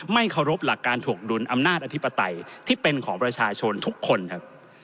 ไม่เคารพหลักการถวงดุลอำนาจอธิปไตยที่เป็นของประชาชนทุกคนครับ